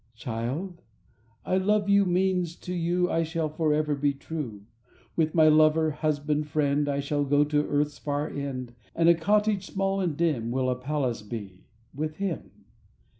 ... Child, "I love you" means: to you I shall be forever true, With my lover, husband, friend, I shall go to earth's far end, And a cottage small and dim Will a palace be—with him.